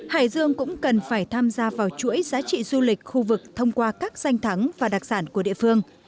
hải dương cũng cần phải tham gia vào chuỗi giá trị du lịch khu vực thông qua các danh thắng và đặc sản của địa phương